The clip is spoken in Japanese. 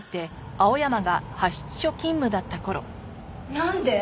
なんで？